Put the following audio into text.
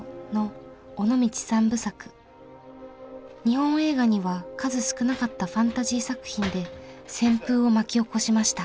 日本映画には数少なかったファンタジー作品で旋風を巻き起こしました。